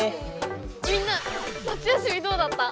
みんな夏休みどうだった？